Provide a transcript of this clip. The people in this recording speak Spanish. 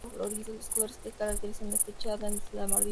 Los colores que caracterizan a esta hinchada son el amarillo y el verde.